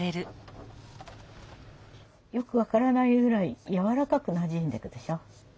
よく分からないぐらいやわらかくなじんでくでしょ？